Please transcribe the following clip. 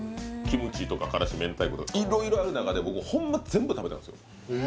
キムチとか辛子めんたいことか色々ある中で僕ホンマ全部食べたんですよ